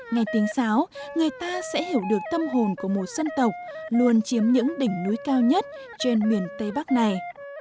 nghe tiếng sáo người ta sẽ hiểu được tâm hồn của một dân tộc luôn chiếm những đỉnh núi cao nhất trên miền tây bắc này